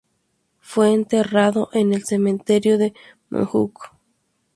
Fue enterrado en el Cementerio de Montjuïc.